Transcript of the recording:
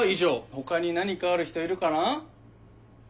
他に何かある人いるかな？